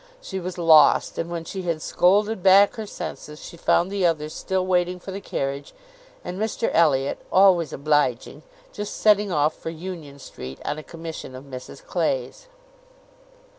She was lost, and when she had scolded back her senses, she found the others still waiting for the carriage, and Mr Elliot (always obliging) just setting off for Union Street on a commission of Mrs Clay's.